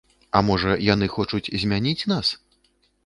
А можа, яны хочуць змяніць нас?